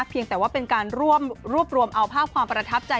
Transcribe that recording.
เพียงแต่ว่าเป็นการรวบรวมเอาภาพความประทับใจ